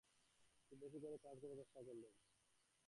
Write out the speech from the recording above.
খুব বেশি করে কাজ করবার চেষ্টা করলুম।